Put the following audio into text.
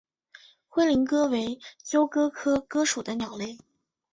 灰林鸽为鸠鸽科鸽属的鸟类。